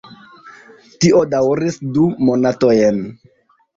Tio daŭris du monatojn.